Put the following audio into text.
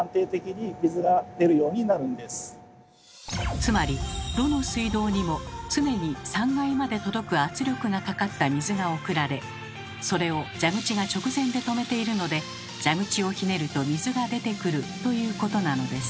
つまりどの水道にも常に３階まで届く圧力がかかった水が送られそれを蛇口が直前で止めているので蛇口をひねると水が出てくるということなのです。